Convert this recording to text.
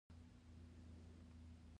د نورو درناوی ده.